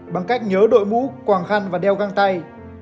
bằng cách nhớ đội mũ quàng khăn và đeo găng tay